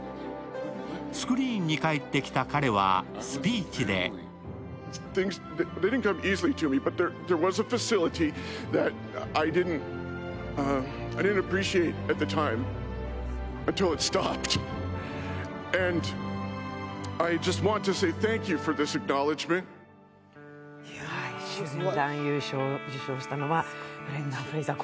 スクリーンに帰ってきた彼はスピーチで主演男優賞を受賞したのはブレンダン・フレイザー。